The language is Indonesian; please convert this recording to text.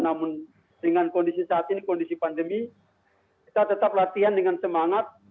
namun dengan kondisi saat ini kondisi pandemi kita tetap latihan dengan semangat